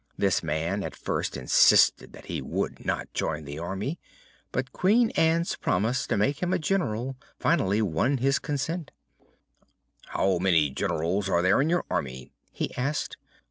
This man at first insisted that he would not join the army, but Queen Ann's promise to make him a General finally won his consent. "How many Generals are there in your army?" he asked.